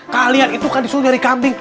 kalian itu kan disuruh nyari kambing